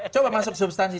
coba masuk substansi